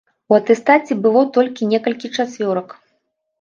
У атэстаце было толькі некалькі чацвёрак.